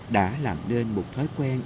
đã làm đơn một thói quen